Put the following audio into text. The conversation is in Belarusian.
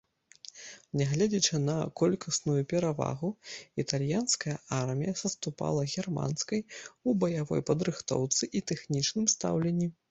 Нягледзячы на колькасную перавагу, італьянская армія саступала германскай у баявой падрыхтоўцы і тэхнічным стаўленні.